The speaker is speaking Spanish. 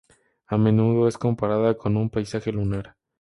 A menudo es comparada con un paisaje lunar.